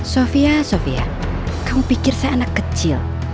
sofia sofia kamu pikir saya anak kecil